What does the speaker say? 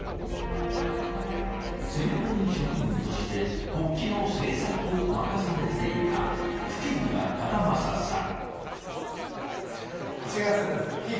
専門職員として国旗の製作を任されていた吹浦忠正さん。